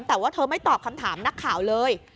แต่ว่าเธอไม่ตอบคำถามนักข่าวเลย